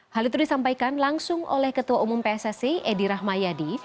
hal itu disampaikan langsung oleh ketua umum pssi edi rahmayadi